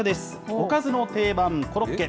おかずの定番、コロッケ。